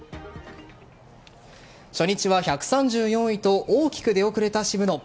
初日は１３４位と大きく出遅れた渋野。